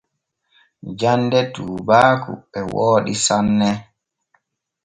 Jande tuubaaku e wooɗi sanne.